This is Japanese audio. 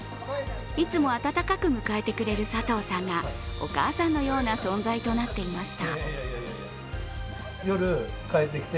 いつも温かく迎えてくれる佐藤さんがお母さんのような存在となっていました。